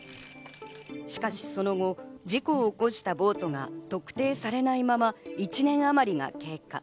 しかしその後、事故を起こしたボートが特定されないまま１年あまりが経過。